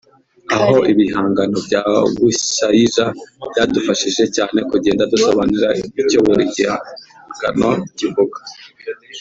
aho ibihangano bya Bushayija byadufashije cyane kugenda dusobanura icyo buri gihangano kivuga